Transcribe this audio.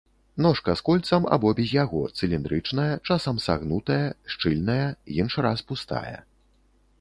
Ножка з кольцам або без яго, цыліндрычная, часам сагнутая, шчыльная, іншы раз пустая.